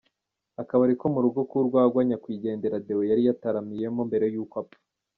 Akabari ko mu rugo k’urwagwa Nyakwigendera Deo yari yataramiyeho mbere y’uko apfa.